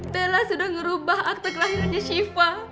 bella sudah mengubah akte kelahirannya sifah